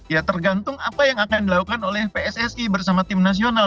ya tergantung apa yang akan dilakukan oleh pssi bersama tim nasional